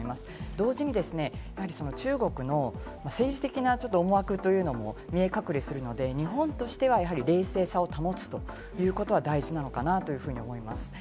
同時に中国の政治的な思惑というのも見え隠れするので、日本としては冷静さを保つということは大事なのかなというふうに思います。